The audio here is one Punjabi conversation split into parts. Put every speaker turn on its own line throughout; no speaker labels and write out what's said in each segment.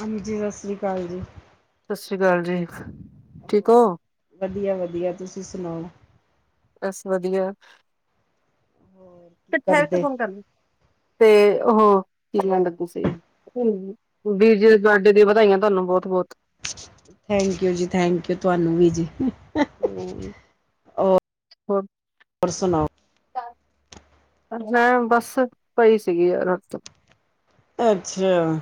ਹਾਂਜੀ, ਸਤਿ ਸ਼੍ਰੀ ਅਕਾਲ ਜੀ।
ਸਤਿ ਸ੍ਰੀ ਅਕਾਲ ਜੀ। ਠੀਕ ਹੋ
ਵਧੀਆ, ਵਧੀਆ, ਤੁਸੀਂ ਸੁਣਾਓ?
ਬਸ ਵਧੀਆ,
ਹੋਰ ਕੀ
ਮੈ ਠਹਿਰ ਕੇ
ਕਰਦੇ
ਫੋਨ ਕਰਦੀ। ਤੇ ਉਹ ਕੀ ਕਹਿਣ ਲੱਗੀ ਸੀ। ਵੀਰ ਜੀ ਦੇ ਬਰਥਡੇ ਤੇ ਵਧਾਈਆਂ ਤੁਹਾਨੂੰ ਬਹੁਤ ਬਹੁਤ।
ਥੈਂਕ ਯੂ ਜੀ ਥੈਂਕ ਯੂ ਤੁਹਾਨੂੰ ਵੀ ਜੀ। ਹੋਰ
ਹਮ, ਹੋਰ
ਹੋਰ ਸੁਣਾਓ?
ਮੈਂ ਬਸ ਪਈ ਸੀਗੀ ਰਾਤ।
ਅੱਛਾ,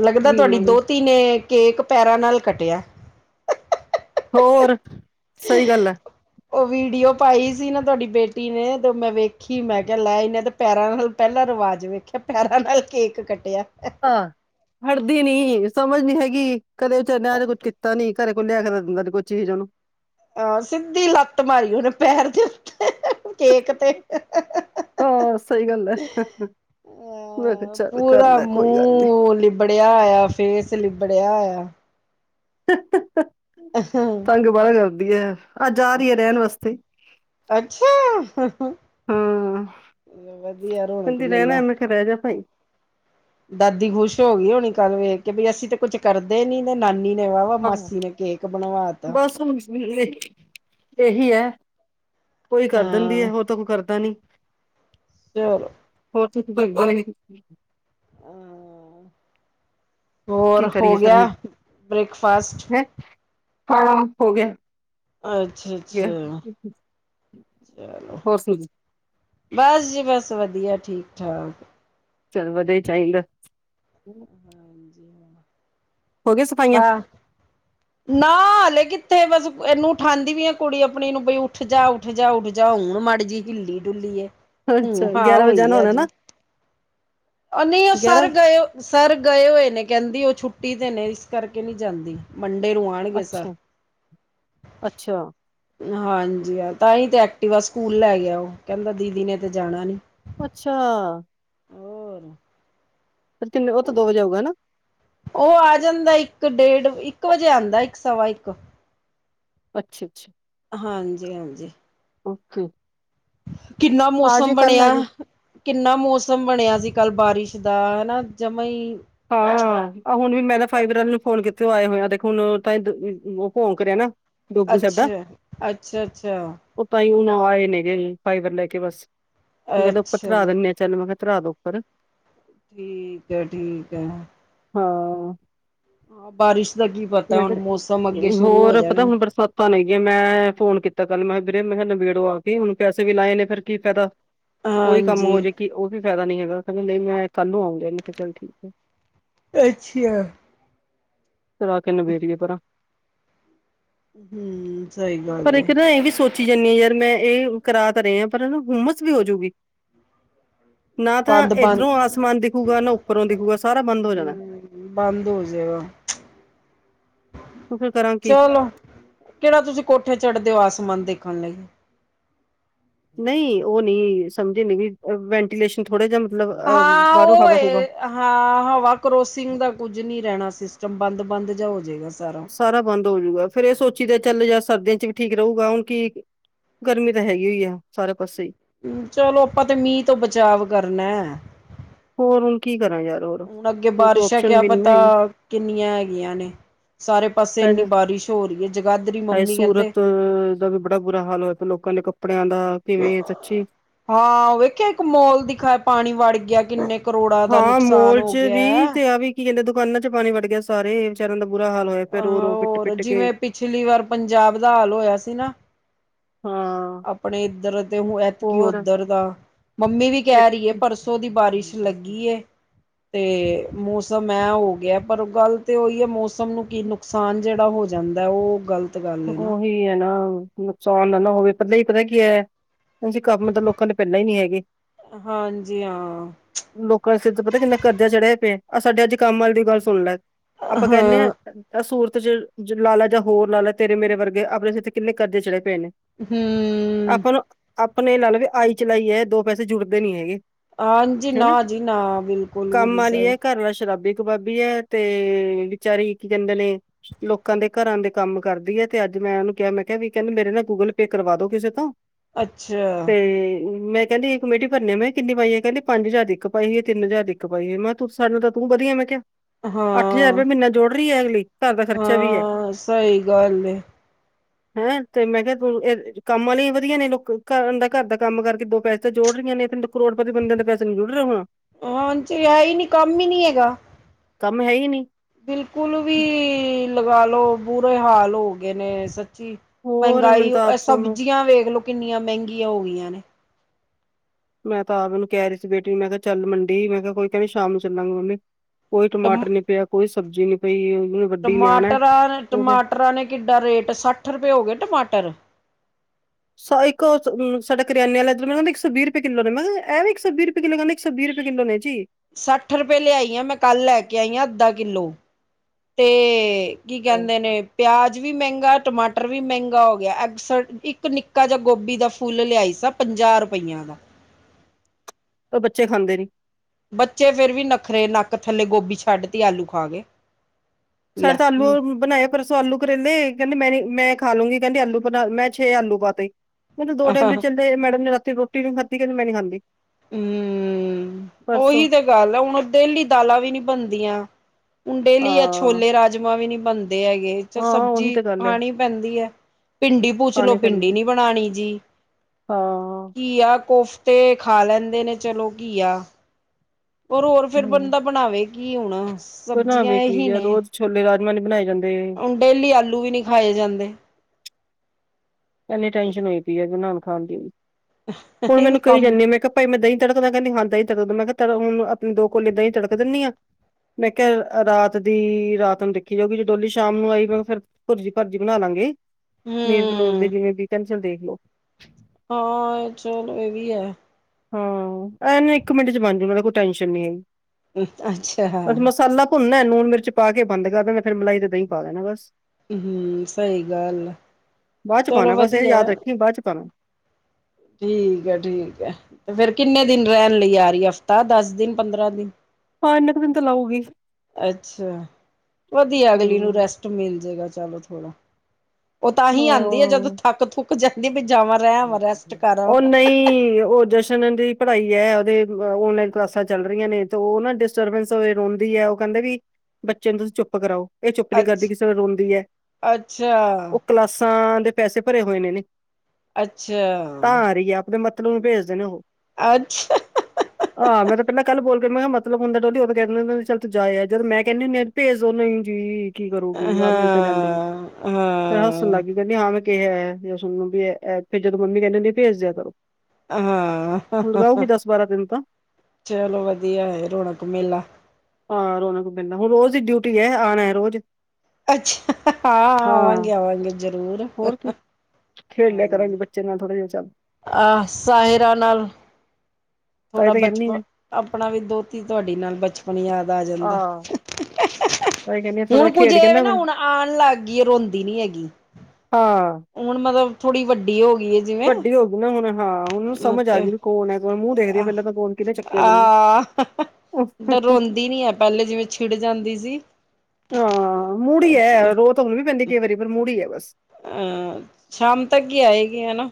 ਲੱਗਦਾ ਤੁਹਾਡੀ ਦੋਹਤੀ ਨੇ ਕੇਕ ਪੈਰਾਂ ਨਾਲ ਕੱਟਿਆ।
ਹੋਰ, ਸਹੀ ਗੱਲ ਹੈ।
ਉਹ ਵੀਡੀਓ ਪਾਈ ਸੀ ਨਾ ਤੁਹਾਡੀ ਬੇਟੀ ਨੇ ਤੇ ਮੈਂ ਵੇਖੀ ਮੈਂ ਕਿਹਾ ਲੈ ਇਹਨੇ ਤੇ। ਪੈਰਾਂ ਨਾਲ ਪਹਿਲਾਂ ਰਿਵਾਜ਼ ਵੇਖਿਆ ਪੈਰਾਂ ਨਾਲ ਕੇਕ ਕੱਟਿਆ।
ਹਾਂ ਹਟਦੀ ਨੀ ਸਮਝ ਨੀ ਹੈਗੀ ਕਦੇ ਵਿਚਾਰਿਆਂ ਨੇ ਕੁੱਛ ਕੀਤਾ ਨੀ। ਘਰੇ ਕੋਈ ਲਿਆ ਕੇ ਦਿੰਦਾ ਨਹੀਂ ਕੋਈ ਚੀਜ਼ ਉਹਨੂੰ।
ਅਹ ਸਿੱਧੀ ਲੱਤ ਮਾਰੀ ਉਹਨੇ ਪੈਰ ਦੇ ਉੱਤੇ। ਕਿਤੇ।
ਹਾਂ ਸਹੀ ਗੱਲ ਹੈ। ਮੈਂ ਕਿਹਾ
ਅ
ਚੱਲ ਕਰ ਲੈ ਕੋਈ ਗੱਲ ਨੀ।
ਬੜਿਆ ਆਇਆ ਫੇਸ ਲਿਬੜਿਆ ਆਇਆ।
ਹ ਹ ਹ।
ਅ ਹਾਂ।
ਕਰਦੀ ਹੈ। ਅੱਜ ਆ ਰਹੀ ਹੈ ਰਹਿਣ ਵਾਸਤੇ।
ਅੱਛਾ
ਹਾਂ
ਵਧੀਆ ਰੌਣਕ
ਕਹਿੰਦੀ ਰਹਿਣਾ
ਮੇਲਾ।
ਮੈਂ ਕਿਹਾ ਰਹਿ ਜਾ ਭਾਈ।
ਦਾਦੀ ਖੁਸ਼ ਹੋ ਗਈ ਹੋਣੀ ਕੱਲ ਵੇਖ ਕਿ ਵੀ ਅਸੀਂ ਤਾਂ ਕੁੱਛ ਕਰਦੇ। ਕਰਦੇ ਨਹੀ ਤੇ ਨਾਨੀ ਨੇ ਵਾਵਾ
ਹਾਂ।
ਮਾਸੀ ਨੇ ਕੇਕ ਬਣਵਾ ਤਾ।
ਬਸ ਹੁਣ ਇਹੀ ਹੈ। ਉਹੀ ਕਰ ਦਿੰਦੀ
ਹਾਂ
ਹੈ। ਹੋਰ ਤਾਂ ਕੋਈ ਕਰਦਾ ਨੀ।
ਚਲੋ।
ਹੋਰ ਕੋਈ ਕੁਛ ਕਰਦਾ ਨਹੀਂ। ਕੀ
ਹੋਰ ਹੋ
ਕਰੀਏ ਫਿਰ ਹੁਣ
ਗਿਆ ਬ੍ਰੇਕਫਾਸਟ।
ਹੈਂ ਹਾਂ ਹੋ ਗਿਆ।
ਅੱਛਾ
ਕੀ ਐ,
ਅੱਛਾ ਚਲੋ
ਹੋਰ ਸੁ [unintelligible]
ਬਸ ਜੀ ਬਸ ਵਧੀਆ, ਠੀਕ-ਠਾਕ।
ਚਲ ਵਧੀਆ ਈ ਚਾਂਹੀਦਾ।
ਹਾਂਜੀ, ਹਾਂ।
ਹੋ ਗਈ ਸਫਾਈਆਂ
ਵਾਹ। ਨਾ ਹਾਲੇ ਕਿੱਥੇ ਬਸ ਇਹਨੂੰ ਉਠਾਂਦੀ ਪਈ ਆ ਕੁੜੀ ਆਪਣੀ ਨੂੰ, ਬਈ ਉੱਠ ਜਾਹ। ਉੱਠ ਜਾ-ਉੱਠ ਜਾ ਹੁਣ ਮਾੜੀ ਜੀ ਹਿੱਲੀ ਡੁੱਲੀ ਏ,
ਅੱਛਾ
ਹੂੰ ਹਾਂ
ਗਿਆਰਾਂ ਵਜੇ ਜਾਣਾ
ਹੋਈ
ਹੋਣਾ ਨਾ
ਅਜੇ। ਨਹੀਂ ਉਹ ਸਰ
ਗਿਆਰਾਂ
ਗਏ, ਸਰ ਗਏ ਹੋਏ ਨੇ ਕਹਿੰਦੀ ਉਹ ਛੁੱਟੀ ਤੇ ਨੇ, ਇਸ ਕਰਕੇ ਨਹੀ ਜਾਂਦੀ। ਮੰੰਡੇ ਨੂੰ ਆਣਗੇ ਸਰ।
ਅੱਛਿਆ।
ਹਾਂਜੀ, ਆ ਤਾਂਹੀ ਤੇ ਐਕਟਿਵਾ ਸਕੂਲ ਲੈ ਗਿਆ, ਉਹ ਕਹਿੰਦਾ ਦੀਦੀ ਨੇ ਤੇ ਜਾਣਾ ਨੀ।
ਅੱਛਾ।
ਹੋਰ
ਫਿਰ ਕਿੰਨੇ ਉਹ ਤਾਂ ਦੋ ਵਜੇ ਆਊਗਾ ਹਨਾ।
ਉਹ ਆ ਜਾਂਦਾ ਇੱਕ ਡੇਢ ਇੱਕ ਵਜੇ ਆਂਦਾ, ਇੱਕ ਸਵਾ ਇੱਕ
ਅੱਛੇ-ਅੱਛੇ।
ਹਾਂਜੀ-ਹਾਂਜੀ।
ਓਥੇ
ਕਿੰਨਾ ਮੌਸਮ
ਆ
ਬਣਿਆ।
ਜੇ।
ਕਿੰਨਾ ਮੌਸਮ ਬਣਿਆ ਸੀ ਕੱਲ ਬਾਰਿਸ਼ ਦਾ, ਹਨਾ ਜਮਾ ਈ।
ਹਾਂ-ਹਾਂ, ਹੁਣ ਵੀ ਮੈਂ ਨਾ ਫਾਈਬਰ ਵਾਲੇ ਨੂੰ ਫੋਨ ਕੀਤੇ ਉਹ ਆਏ ਹੋਏ ਆ, ਦੇਖੋ ਹੁਣ ਤਾਂ ਉਹ ਭੋਂਗ ਕਰਿਆ ਨਾ। ਡੋਗੂ ਸਾਡਾ
ਅੱਛਾ-ਅੱਛਾ-ਅੱਛਾ।
ਉਹ ਤਾਂਹੀ ਹੁਣ ਆਏ ਨੇਗੇ ਫਾਈਬਰ ਲੈ ਕੇ ਬਸ, ਮੈਂ ਕਿਹਾ ਉੱਪਰ
ਅੱਛਾ
ਧਰਾ
ਜੀ
ਦਿੰਨੇ ਆਂ। ਚੱਲ ਮੈਂ ਕਿਹਾ ਧਰਾ ਦੋ ਉੱਪਰ।
ਠੀਕ ਐ-ਠੀਕ ਐ।
ਹਾਂ।
ਹਾਂ ਬਾਰਿਸ਼ ਦਾ ਕੀ ਪਤਾ,
ਮੈਂ
ਹੁਣ ਮੌਸਮ ਅੱਗੇ ਸ਼ੁਰੂ ਹੋ ਜਾਣਾ।
ਪੈਪਾਂ ਨੀ ਗੀਆਂ, ਮੈਂ ਫੋਨ ਕੀਤਾ ਕੱਲ ਮੈਂ ਕਿਹਾ ਵੀਰੇ ਮੈਂ ਕਿਹਾ ਨਬੇੜੋ ਆਵਦੀ, ਹੁਣ ਪੈਸੇ ਵੀ ਲਾਏ ਨੇ ਫੇਰ ਕੀ ਫਾਇਦਾ। ਕੋਈ ਕੰਮ
ਹਾਂਜੀ
ਹੋ ਜੇ ਕਿ ਉਹ ਵੀ ਫਾਇਦਾ ਨੀ ਹੈਗਾ, ਕਹਿੰਦਾ ਨਹੀਂ ਮੈਂ ਕੱਲ ਨੂੰ ਆਉਂਗਾ ਜੀ, ਮੈਂ ਕਿਹਾ ਚੱਲ ਠੀਕ ਐ।
ਅੱਛਿਆ।
ਕਰਾ ਕੇ ਨਬੇੜੀਏ ਪਰਾਂ,
ਹਮ ਸਹੀ
ਪਰ
ਗੱਲ
ਇੱਕ
ਹੈ
ਨਾ ਐ ਵੀ ਸੋਚ ਪੁੱਛੀ ਜਾਣੀ ਆ ਯਾਰ ਮੈਂ ਇਹ ਕਰਾ ਤਾਂ ਰਹੇ ਆਂ, ਪਰ ਹੁੰਮਸ ਵੀ ਹੋਜੂਗੀ। ਨਾ ਤਾਂ
ਬੰਦ
ਏਧਰੋਂ
ਬੰਦ
ਆਸਮਾਨ ਦਿਖੂਗਾ ਨਾ ਉੱਪਰੋਂ ਦਿਖੂਗਾ, ਸਾਰਾ ਬੰਦ ਹੋ ਜਾਣਾ।
ਹਮ ਬੰਦ ਹੋ ਜੇਗਾ,
ਫਿਰ ਕਰਾਂ ਕੀ
ਚਲੋ ਕਿਹੜਾ ਤੁਸੀਂ ਕੋਠੇ ਚੜ੍ਹਦੇ ਓ, ਆਸਮਾਨ ਦੇਖਣ ਲਈ।
ਨਹੀਂ ਉਹ ਨੀ ਸਮਝੇ ਨੀ ਵੀ, ਵੈਂਟੀਲੇਸ਼ਨ ਥੋੜ੍ਹਾ ਜਿ ਮਤਲਬ ਅਹ
ਹਾਂ
ਬਾਹਰੋਂ
ਉਹ
ਹਵਾ ਹੂਵਾ
ਏ ਹਾਂ, ਹਵਾ ਕਰੋਸਿੰਗ ਦਾ ਕੁੱਝ ਨੀ ਰਹਿਣਾ, ਸਿਸਟਮ ਬੰਦ-ਬੰਦ ਜਾ ਹੋ ਜੇਗਾ ਸਾਰਾ।
ਸਾਰਾ ਬੰਦ ਹੋਜੂਗਾ, ਫ਼ੇਰ ਇਹ ਸੋਚੀ ਦਾ ਚੱਲ ਯਾਰ ਸਰਦੀਆਂ ਚ ਠੀਕ ਰਹੂਗਾ, ਹੁਣ ਕੀ ਗਰਮੀ ਤਾਂ ਹੈਗੀ ਈ ਆ ਸਾਰੇ ਪਾਸੇ ਈ।
ਚਲੋ ਆਪਾਂ ਤੇ ਮੀਂਹ ਤੋ ਬਚਾਵ ਕਰਨਾ।
ਹੋਰ ਹੁਣ ਕੀ ਕਰਾਂ ਯਾਰ। ਹੋਰ
ਹੁਣ ਅੱਗੇ
ਹੋਰ ਕੋਈ
ਬਾਰਿਸ਼ਾਂ
ਆਪਸ਼ਨ
ਕਿਆ
ਵੀ ਨੀ ਨਾ ਹੈਗੀ
ਪਤਾ, ਕਿੰਨੀਆਂ ਹੈਗੀਆਂ ਨੇ। ਸਾਰੇ ਪਾਸੇ
ਪੈ
ਇੰਨੀ ਬਾਰਿਸ਼ ਹੋ ਰਹੀ ਏ, ਜਗਾਦਰੀ
ਹਾਏ
ਮੰਮੀ ਕਹਿੰਦੇ
ਸੂਰਤ ਦਾ ਵੀ ਬੜਾ ਬੁਰਾ ਹਾਲ ਹੋਇਆ ਪਿਆ, ਤੇ ਲੋਕਾਂ ਦੇ ਕੱਪੜਿਆਂ ਦਾ ਕਿਵੇਂ ਸੱਚੀ
ਹਾਂ, ਵੇਖਿਆ ਇੱਕ ਮੋਲ ਦਿਖਾਇਆ, ਪਾਣੀ ਵੜ ਗਿਆ ਕਿੰਨੇ ਕਰੋੜਾਂ ਦਾ
ਹਾਂ
ਨੁਕਸਾਨ
ਮੋਲ
ਹੋ
ਚ ਵੀ,
ਗਿਆ।
ਤੇ ਆਹ ਵੀ ਕੀ ਕਹਿੰਦੇ ਦੁਕਾਨਾਂ ਚ ਪਾਣੀ ਵੜ ਗਿਆ ਸੀ। ਸਾਰੇ ਵਿਚਾਰਿਆਂ ਦਾ ਬੁਰਾ ਹਾਲ ਹੋਇਆ ਪਿਆ,
ਅਹ
ਰੋ-ਰੋ
ਹੋਰ
ਪਿੱਟ-ਪਿੱਟ ਕੇ।
ਜਿਵੇਂ ਪਿਛਲੀ ਵਾਰ ਪੰਜਾਬ ਦਾ ਹਾਲ ਹੋਇਆ ਸੀ ਨਾ
ਹਾਂ।
ਆਪਣੇ ਇੱਧਰ ਤੇ ਅਹ ਐਤਕੀ
ਹੋਰ
ਓਦਰ ਦਾ। ਮੰਮੀ ਵੀ ਕਹਿ ਰਹੀ ਏ, ਪਰਸੋਂ ਦੀ ਬਾਰਿਸ਼
ਇੱਥੇ
ਲੱਗੀ ਏ। ਤੇ ਮੌਸਮ ਐਂ ਹੋ ਗਿਆ, ਪਰ ਗੱਲ ਤੇ ਉਹੀ ਐ ਮੌਸਮ ਨੂੰ ਕੀ ਨੁਕਸਾ ਨੁਕਸਾਨ ਜਿਹੜਾ ਹੋ ਜਾਂਦਾ ਉਹ ਗਲਤ
ਉਹੀ ਐ ਨਾ ਨੁਕਸਾਨ ਨਾ ਨਾ ਹੋਵੇ ਪਲਾ ਹੀ ਪਤਾ ਕੀ ਐ। [unintelligible] ਮਤਲਬ ਲੋਕਾਂ ਨੇ ਪਹਿਲਾ ਹੀ ਨੀ ਹੈਗੇ।
ਹਾਂਜੀ ਹਾਂ।
ਲੋਕਾਂ ਦੇ ਸਿਰ ਤੇ ਪਤਾ ਕਿੰਨਾ ਕਰਜ਼ਾ ਚੜ੍ਹਿਆ ਪਿਆ ਆਹ ਸਾਡੇ ਅੱਜ ਕੰਮ ਆਲੇ ਦੀ ਗੱਲ ਸੁਣ ਲਾ। ਆਪਾਂ ਕਹਿ ਦਿੰਦੇ
ਹਾਂ
ਆ ਤਾਂ ਸੂਰਤ ਚ ਲਾ ਲਾ ਜਾਂ ਹੋਰ ਲਾ ਲਾ। ਤੇਰੇ ਮੇਰੇ ਵਰਗੇ ਆਪਣੇ ਸਿਰ ਤੇ ਕਿੰਨੇ ਕਰਜ਼ੇ ਚੜੇ ਪਏ ਨੇ।
ਹੂੰ,
ਆਪਾਂ ਨੂੰ ਆਪਣੇ ਲਾ ਲੋ ਵੀ ਆਈ ਚਲਾਈ ਐ ਦੋ ਪੈਸੇ ਜੁੜਦੇ ਨੀ ਹੈਗੇ।
ਹਾਂਜੀ
ਹਨਾ
ਨਾ ਜੀ ਨਾ ਬਿਲਕੁਲ ਵੀ
ਕੰਮ
ਨੀ
ਆਲੀ
ਸਹੀ
ਐ ਘਰ ਵਾਲਾ ਸ਼ਰਾਬੀ। ਸ਼ਰਾਬੀ ਐ ਤੇ ਵਿਚਾਰੀ ਕੀ ਕਹਿੰਦੇ ਨੇ ਲੋਕਾਂ ਦੇ ਘਰਾਂ ਦੇ ਕੰਮ ਕਰਦੀ ਐ ਤੇ ਅੱਜ ਮੈਂ ਉਹਨੂੰ ਕਿਹਾ ਮੈਂ ਕਿਹਾ ਵੀ ਕਹਿੰਦੇ ਮੇਰੇ ਨਾ ਗੂਗਲ ਪੇ ਕਰਵਾ ਦੋ ਕਿਸੇ ਤੋਂ
ਅੱਛਾ
ਤੇ ਮੈਂ ਕਹਿੰਦੀ ਕਮੇਟੀ ਭਰਨੀ ਆ ਮੈਂ ਕਿੰਨੀ ਪਾਈ ਐ ਕਹਿੰਦੇ ਪੰਜ ਹਜ਼ਾਰ ਦੀ ਇੱਕ ਪਾਈ ਐ ਤਿੰਨ ਹਜ਼ਾਰ ਇੱਕ ਪਾਈ ਐ ਮੈਂ ਤੂੰ ਸਾਨੂੰ ਤਾਂ ਤੂੰ ਵਧੀਆ ਮੈਂ ਕਿਹਾ। ਅੱਠ ਹਜ਼ਾਰ
ਹਾਂ
ਰੁਪਇਆ ਮਹੀਨਾ ਜੋੜ ਰਹੀ ਆ ਅਗਲੀ ਘਰ ਦਾ ਖਰਚਾ ਵੀ ਐ।
ਹਾਂ ਸਹੀ ਗੱਲ ਐ।
ਹੈ ਤੇ ਮੈਂ ਕਿਹਾ ਤੂੰ ਇਹ ਕੰਮ ਆਲੀ ਆ ਵਧੀਆ ਨੇ ਲੋਕ ਘਰ ਦਾ ਘਰ ਦਾ ਕੰਮ ਕਰਕੇ ਦੋ ਪੈਸੇ ਤਾਂ ਜੋੜ ਰਹੀਆਂ ਨੇ ਤੇ ਕਰੋੜ ਰੁਪਏ ਬੰਦੇ ਨੂੰ ਪੈਸੇ ਜੁੜ ਰਿਹਾ ਹੋਣ।
ਹਾਂਜੀ ਹੈ ਹੀ ਨੀ ਕੰਮ ਹੀ ਨੀ ਹੈਗਾ।
ਕੰਮ ਹੈਈ ਨੀ।
ਬਿਲਕੁਲ ਵੀ ਲਗਾਲੋ ਬੁਰੇ ਹਾਲ ਹੋ ਗਏ ਨੇ ਸੱਚੀ।
ਹੋਰ ਮੈਨੂੰ
ਮਹਿੰਗਾਈ
ਤਾਂ ਆਪ ਸਮਝ
ਸਬਜ਼ੀਆਂ ਵੇਖ ਲਓ ਕਿੰਨੀਆਂ ਮਹਿੰਗੀਆਂ ਹੋ ਗਈਆਂ ਨੇ।
ਮੈਂ ਤਾਂ ਆਪ ਉਹਨੂੰ ਕਹਿ ਰਹੀ ਸੀ ਬੇਟੀ ਮੈਂ ਕਿਹਾ ਚੱਲ ਮੰਡੀ ਮੈਂ ਕਿਹਾ ਕੋਈ ਕਹਿਣੀ ਸ਼ਾਮ ਨੂੰ ਚੱਲਾਂਗੀ ਮੰਮੀ। ਕੋਈ
ਟਮ
ਟਮਾਟਰ ਨੀ ਪਿਆ ਕੋਈ ਸਬਜ਼ੀ ਨੀ ਪਈ ਉਹਨੂੰ,
ਟਮਾਟਰਾਂ ਟਮਾਟਰਾਂ ਨੇ ਕਿੱਡਾ ਰੇਟ ਸੱਠ ਰੁਪਏ ਹੋ ਗਏ ਟਮਾਟਰ।
ਸ ਇੱਕ ਸਾਡਾ ਕਰਿਆਨੇ ਇੱਧਰ ਇੱਕ ਸੌ ਵੀਹ ਰੁਪਏ ਕਿੱਲੋ ਨੇ ਮੈਂ ਕਿਹਾ ਐ ਵੀ ਇੱਕ ਸੌ ਵੀਹ ਰੁਪਏ ਕਿੱਲੋ ਕਹਿੰਦਾ ਇੱਕ ਸੌ ਵੀ ਰੁਪਏ ਕਿੱਲੋ ਨੇ ਜੀ।
ਸੱਠ ਰੁਪਏ ਲਿਆਈ ਆ ਮੈਂ ਕੱਲ ਲੈ ਕੇ ਆਈ ਆ ਅੱਧਾ ਕਿੱਲੋ ਤੇ ਕੀ
ਹਾਂ।
ਕਹਿੰਦੇ ਨੇ। ਪਿਆਜ਼ ਵੀ ਮਹਿੰਗਾ ਟਮਾਟਰ ਵੀ ਮਹਿੰਗਾ ਹੋ ਗਿਆ ਐਗਸ ਇੱਕ ਨਿੱਕਾ ਜਿਹਾ ਗੋਭੀ ਦਾ ਫੁੱਲ ਲਿਆਈ ਸਭ। ਪੰਜਾਹ ਰੁਪਈਆਂ ਦਾ।
ਉਹ ਬੱਚੇ ਖਾਂਦੇ ਨੀ।
ਬੱਚੇ ਫੇਰ ਵੀ ਨਖਰੇ ਨੱਕ ਥੱਲੇ ਗੋਭੀ ਛੱਡ ਤੇ ਆਲੂ ਖਾ ਗ
ਸਾਡੇ ਤਾਂ ਆਲੂ ਬਣਾਇਆ ਫਿਰ ਸੋ ਦੇ ਆਲੂ ਕਰੇਲੇ ਕਹਿੰਦੇ ਮੈਂ ਨੀ ਮੈਂ ਖਾਾਲੂੰਗੀ ਕਹਿੰਦੀ ਆਲੂ ਬਣਾ ਮੈਂ ਛੇ ਆਲੂ ਪਾ ਲੇ। ਮੈਨੂੰ ਦੋ ਟਾਈਮ ਦੇ ਚਦੇ ਮੈਡਮ ਨੇ ਰਾਤੀ ਰੋਟੀ ਨੂੰ ਖਾਂਦੀ ਮੈਂ ਨਹੀਂ ਖਾਂਦੀ।
ਹੂੰ,
ਪਰਸੋਂ
ਉਹੀ ਤੇ ਗੱਲ ਆ ਹੁਣ ਦਲੀ ਦਾਲਾਂ ਵੀ ਨੀ ਬਣਦੀਆਂ। ਡੇਲੀ ਲਈ ਆ
ਹਾਂ।
ਛੋਲੇ ਰਾਜਮਾਂ ਵੀ ਨੀ ਬਣਦੇ ਹੈਗੇ ਚ
ਹਾਂ ਉਹੀ
ਸਬਜ਼ੀ
ਤਾਂ ਗੱਲ ਹੈ
ਖਾਣੀ। ਪੈਂਦੀ ਐ ਭਿੰਡੀ। ਪੁੂਛ ਲੋ
ਖਾਣੀ
ਭਿੰਡੀ
ਪੈਂਦੀ
ਨੀ ਬਣਾਣੀ ਜੀ
ਹਾਂ
ਘੀਆ ਕੋਫਤੇ। ਖਾ ਲੈਂਦੇ ਨੇ ਚਲੋ ਘੀਆ। ਪਰ ਹੋਰ ਫੇਰ
ਹੂੰ।
ਬੰਦਾ ਬਣਾਵੇ ਕੀ ਹੁਣਾ।
ਬਣਾਵੇ ਕੀ ਹੈ ਰੋਜ਼ ਛੋਲੇ ਰਾਜਮਾਂ ਨੀ ਬਣਾਏ ਜਾਂਦੇ।
ਡੇਲੀ ਆਲੂ ਵੀ ਨੀ ਖਾਏ ਜਾਂਦੇ।
ਇਨੀ ਟੈਸ਼ਨ ਹੋਈ ਪਈ ਹੈਮਾਨ ਖਾਨ ਦੀ ਵੀ ਹੁਣ
ਇਹ ਵੀ
ਮੈਨੂੰ ਕਹੀ
ਕੰਮ
ਜਾਂਦੀ ਮੈਂ ਕਿਹਾ ਭਾਈ ਮੈਂ ਦਹੀਂ ਤੜਕਦਾ ਕਹਿੰਦੀ ਹਾਂ ਦਹੀਂ ਤੜਕਦਾ ਮੈਂ ਕਿਹਾ ਹੁਣ ਆਪਣੇ ਦੋ ਕੋਲੇ ਦਹੀਂ ਤੜਕ ਦਿੰਦੀ ਹਾਂ। ਮੈਂ ਕਿਹਾ ਰਾਤ ਦੀ ਰਾਤ ਨੂੰ ਦੇਖੀ ਜਾਊਗੀ ਜੇ ਡੋਲੀ ਸ਼ਾਮ ਨੂੰ ਆਈ ਮੈਂ ਫਿਰ ਭੁਰਜੀ ਭਰਜੀ ਬਣਾ ਲਾਂਗੇ।
ਹੂੰ,
[unintelligible] ਬਨੂਰ ਦੇ ਜਿਵੇਂ ਬ ਕਨਚਲ ਦੇਖ ਲੋ।
ਹਾਂ ਚੱਲ ਏ ਵੀ ਐ।
ਹਾਂ ਇਹਨ ਇੱਕ ਮਿੰਟ ਚ ਬਣ ਜੂ ਮੇਰਾ ਕੋਈ ਟੈਨਸ਼ਨ ਨੀ,
ਅੱਛਾ।
ਪ ਮਸਾਲਾ ਭੁੰਨੈ ਲੂਣ ਮਿਰਚ ਪਾ ਕੇ ਬੰਦ ਕਰਦਾ ਮੈਂ ਫਿਰ ਮਲਾਈ ਤੇ ਦਹੀਂ ਪਾ ਦੇਣਾ ਬਸ।
ਹੂੰ ਸਹੀ ਗੱਲ
ਬਾਚ ਪਾਣਾ
ਚਲੋ
ਬਸ ਇਹ ਯਾਦ
ਵਧੀਆ।
ਰੱਖੀ ਬਾਚ ਪਾਓ।
ਠੀਕ ਐ ਠੀਕ ਐ ਤੇ ਫੇਰ ਕਿੰਨੇ ਦਿਨ ਰਹਿਣ ਲਈ ਆ ਰਹੀ ਹਫ਼ਤਾ, ਦਸ ਦਿਨ, ਪੰਦਰਾਂ ਦਿਨ?
ਹਾਂ ਇੰਨ ਕੁ ਦਿਨ ਤਾਂ ਲਾਉਗੀ।
ਅੱਛਾ, ਵਧੀਆ ਅਗਲੀ ਨੂੰ
ਹੂੰ
ਰੈਸਟ ਮਿਲ ਜੇਗਾ ਚਲੋ ਥੋੜ੍ਹਾ। ਓ ਤਾਂ ਹੀ ਆਉਂਦੀ ਆ ਜਦੋਂ ਥੱਕ ਥੁੱਕ ਜਾਂਦੀ ਵੀ ਜਾਵਾਂ ਰਹਿਣ।
ਓ ਨਈਂ ਉਹ ਜ ਦੀ ਪੜ੍ਹਾਈ ਐ ਉਹਦੇ ਔਨਲਾਈਨ ਕਲਾਸਾਂ ਚੱਲ ਰਹੀਆਂ ਨੇ ਤੇ ਉਹ ਨਾ ਡਿਸਟਰਬੈਂਸ ਓਵੇ ਰੋਂਦੀ ਐ ਓ ਓ ਕਹਿੰਦੇ ਵੀ ਬੱਚੇ ਨੂੰ ਤੁਸੀਂ ਚੁੱਪ ਕਰਾਓ ਇਹ ਚੁੱਪ ਨੀ
ਅੱਛ
ਕਰਦੀ ਕਿਸੇ ਵੇਲੇ ਰੋਂਦੀ ਐ,
ਅੱਛਾ
ਉਹ ਕਲਾਸਾਂ ਦੇ ਪੈਸੇ ਭਰੇ ਹੋਏ ਨੇ ਨੇ।
ਅੱਛਾ।
ਤਾਂ ਆ ਰਈ ਆ ਆਪਣੇ ਮਤਲੂਬ ਨੂੰ ਭੇਜਦੇ ਨੇ ਉਹ।
ਅੱਛਾ।
[unintelligible] ਆਹ ਮੈਂ ਤਾਂ ਪਹਿਲਾਂ ਕੱਲ ਬੋਲ ਕੇ ਮੈਂ ਕਿਹਾ ਮਲਤਬ ਹੁੰਦਾ ਡੋਲੀ ਉਦੋਂ ਕਹਿੰਦੇ ਚੱਲ ਜਾਇ ਯਾ, ਜਦੋਂ ਮੈਂ ਕਹਿੰਦੀ ਹੁੰਨੀ ਆ ਭੇਜਦੋ, ਨਈੰ ਜੀ। ਕੀ ਕਰੂਗੀ ਆਹ ਮਿਲ ਤਾਂ ਜਾਂਦੀ
ਹਾਂ
ਫਰ ਹਸ ਦੱਸਣ
ਹਾਂ
ਲੱਗਈ ਕਹਿੰਦੀ ਹਾਂ ਮੈਂ ਕਿਹਾ ਹੈਣ ਵੀ ਫ ਜਦੋਂ ਮੰਮੀ ਕਹਿੰਦੇ ਹੁੰਦੀ ਭੇਜ ਦਿਆ ਕਰੋ।
ਹਾਂ
ਹੁਣ ਲਗਾਉਗੀ ਦਿਨ ਤਾਂ
ਚਲੋ ਵਧੀਆ ਏ ਰੌਣਕ ਮੇਲਾ।
ਹਾਂ ਰੋਨਾਕ ਮੇਲਾ, ਹੁਣ ਓਦੀ ਡਿਊਟੀ ਐ ਆਣੈ ਰੋਜ਼।
ਅੱਛਾ, ਹਾਂ
ਹਾਂ
ਆਵਾਂਗੇ ਆਵਾਂਗੇ ਜ਼ਰੂਰ।
ਹੋਰ ਕੀ ਖੇਡ ਲਿਆਂ ਕਰਾਂਗੇ
ਹਾਂਜੀ
ਬੱਚੇ ਨਾਲ ਥੋੜਾ ਜਿਹਾ ਚੱਲ।
ਆਹ ਸਾਹਿਰਾਂ ਨਾਲ,
ਤਾਂਹੀ
ਥੋੜ੍ਹਾ
ਤਾਂ ਕਹਿੰਦੀ
ਬਚਪਨ।
ਆ
ਆਪਣਾ ਵੀ ਦੋਤੀ ਤੁਹਾਡੀ ਨਾਲ ਬਚਪਨ ਯਾਦ ਆ ਜਾਂਦਾ।
ਹਾਂ ਤਾਂਹੀ ਕਹਿੰਦੀ ਆ ਥੋੜਾ
ਹੁਣ ਕੁੱਝ
ਖੇਡ ਕੇ
ਏਵੇ ਨਾ
ਮੈਂ
ਹੁਣ ਆਣ ਲੱਗ ਗੀ ਰੋਂਦੀ ਨੀ ਏਗੀ।
ਹਾ।
ਹੁਣ ਮਤਲਬ ਥੋੜ੍ਹੀ ਵੱਡੀ ਹੋ ਗੀਏ।
ਵੱਡੀ ਹੋ ਗਈ ਨਾ ਹੁਣ ਹਾਂ ਹੁਣ ਸਮਝ ਆ
ਤੇ
ਗਈ ਵੀ ਕੌਣ ਹੈ ਮੂੰਹ ਦੇਖਦੀ ਪਹਿਲਾਂ ਕੌ ਕੀਨੇ ਚੱਕਿਆ ਮੈਨੂ?
ਤਾਂ ਰੋਂਦੀ ਨੀ ਐ ਪੈਲੇ ਜਿਵੇਂ ਛਿੜ ਜਾਂਦੀ ਸੀ।
ਹਾਂ, ਮੂੜੀ
ਅੱਛਾ
ਐ ਰੋਤ ਹੋਣ ਵੀ ਪੈਂਦੀ ਕਈ ਵਾਰੀ ਪਰ ਮੂੜੀ ਐ ਬਸ।
ਹਾਂ, ਸ਼ਾਮ ਤੱਕ ਹੀ ਆਏਗੀ ਹੈਨਾ?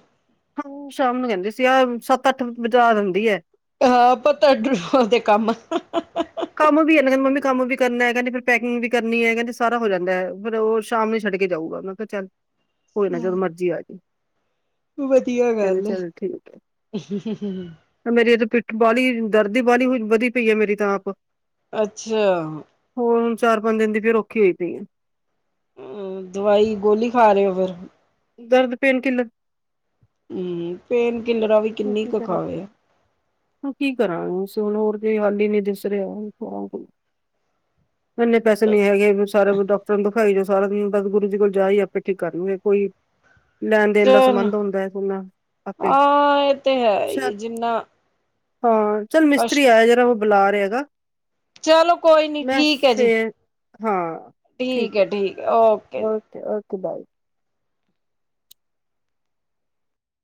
ਹਾਂ ਸ਼ਾਮ ਨੂੰ ਕਹਿੰਦੇ ਸੀ, ਆਹ ਸੱਤ ਅੱਠ ਬਜਾ ਦੀੰਦੀ ਐ।
ਹਹ ਆਪਤਾਡ ਦੇ ਕੰਮ। [unintelligible]
ਕੰਮ ਵੀ ਏ ਨਾ ਕਹਿੰਦੇ ਮੰਮੀ ਕੰਮ ਵੀ ਕਰਨੈ ਕੈੰਦੀ ਫਿਰ ਪੈਕਿੰਗ ਵੀ ਕਰਨੀ ਏ, ਕੈੰਦੀ ਸਾਰਾ ਹੋ ਜਾਂਦੈ ਫੇਰ ਉਹ ਸ਼ਾਮ ਨੂੰ ਛੱਡ ਕੇ ਜਾਊਗਾ। ਮੈਂ ਕਿਹਾ ਚੱਲ, ਕੋਈ ਨਾ ਜਦੋਂ ਮਰਜੀ ਆ ਜੀਂ।
ਵਧੀਆ ਗੱਲ ਐ।
ਮੇਰੀ ਇਹ ਤਾਂ ਪਿੱਠ ਬਾਹਲੀ ਦਰਦੀ ਬਾਹਲੀਈ ਵਧੀ ਪਈ ਮੇਰੀ ਤਾਂ ਆਪ।
ਅੱਛਾ।
ਹੋਰ ਹੁਣ ਚਾਰ ਪੰਜ ਦਿਨ ਦੀ ਫਰ ਔਖੀ ਹੋਈ ਪਈ ਆਂ।
ਹੁੰ ਦਵਾਈ ਗੋਲੀ ਖਾ ਰਏ ਓ ਫੇਰ?
ਦਰਦ ਪੇਨ ਕਿਲਰ
ਹੁੰ ਪੇਨ ਕਿਲਰਾਂ ਵੀ
ਹੋਰ
ਕਿੰਨੀ
ਕੀ
ਕੁ
ਕਰ। [unintelligible]
ਖਾਵੇ।
ਹੋਰ ਕੀ ਕਰਾਂ? ਹੁਣ ਹੋਰ ਕੋ ਹਾਲ ਹੀ ਨ ਦਿਸ ਰਿਹਾ। ਇਨੇ ਪੈਸੇ ਨੀ ਹੈਗੇ ਨੀ ਸਾਰੇ ਡਾਕਟਰ ਤੂੰ ਦਿਖਾਈ ਜਾਓ ਸਾਰਾ ਦਿਨ ਬਸ ਗੁਰੂ ਜੀ ਕੋਲ ਜਾ ਈ ਆਪੇ ਠੀਕ ਕਰਨਗੇ ਕੋਈ ਲੈਨ ਦੇਨ ਦਾ
ਚਲੋ
ਸਮਾਨ ਤਾ ਹੁੰਦੈ ਤੌਨਾ, ਆਪੇ।
ਹਾਂ ਇਹ ਤੇ ਹੈ ਈਐ
ਚੱਲ
ਜਿੰਨਾ
ਹਾਂ, ਚੱਲ ਮਿਸਤਰੀ
ਕਸ਼ਟ
ਆਇਆ ਜਰਾ ਉਹ ਬੁਲਾ ਰਿਆਗਾ,
ਚਲੋ ਕੋਈ ਨੀ
ਮੈਂ
ਠੀਕ ਹੈ ਜੀ
ਫੇਰ ਹਾਂ।
ਠੀਕ ਐ, ਠੀਕ ਐ ਓਕੇ।
Okay okay, bye.